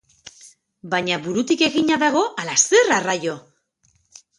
Baina burutik egina dago, ala zer arraio!